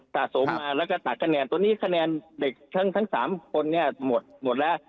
สะสมมาแล้วก็ตัดคะแนนตัวนี้คะแนนเด็กทั้ง๓คนเนี่ยหมดแล้ว